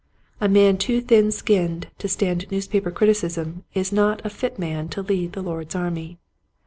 A man too thin skinned to stand newspaper criticism is not a fit man to lead the Lord's army.